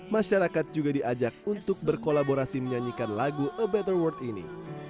masyarakat juga diajak untuk berkolaborasi menyanyikan lagu a betterword ini